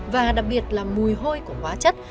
và đặc biệt là mùi hôi của hóa chất